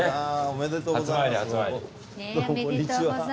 おめでとうございます。